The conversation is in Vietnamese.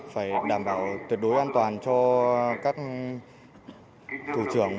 phải đảm bảo tuyệt đối an toàn cho các thủ trưởng